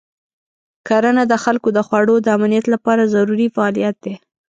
کرنه د خلکو د خوړو د امنیت لپاره ضروري فعالیت دی.